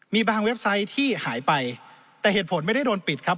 มีบางเว็บไซต์ที่หายไปแต่เหตุผลไม่ได้โดนปิดครับ